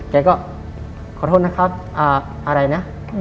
แกก็ขอโทษนะครับอะไรนะ